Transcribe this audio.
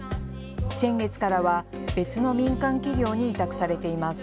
先月からは別の民間企業に委託されています。